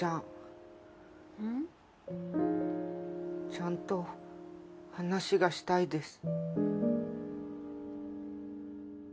ちゃんと話がしたいです。